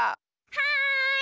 はい！